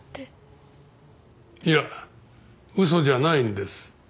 いや嘘じゃないんです。